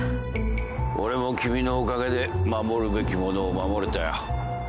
俺も君のおかげで守るべきものを守れたよ。